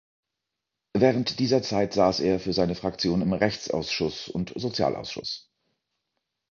Während dieser Zeit saß er für seine Fraktion im Rechtsausschuss und Sozialausschuss.